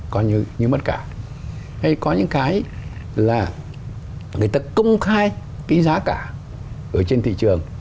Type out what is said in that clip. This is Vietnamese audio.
công khai cái giá cả ở trên thị trường